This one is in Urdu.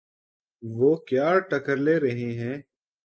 وہ کیا ٹکر لے رہے ہیں؟